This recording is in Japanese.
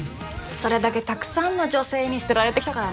それだけたくさんの女性に捨てられてきたからね。